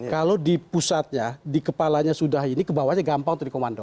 kalau di pusatnya di kepalanya sudah ini ke bawahnya gampang untuk dikomando